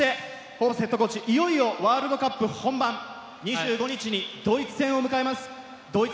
そしていよいよワールドカップ本番、２５日にドイツ戦を迎えます。